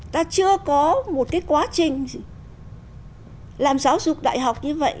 ta chưa có một cái quá trình làm giáo dục đại học như vậy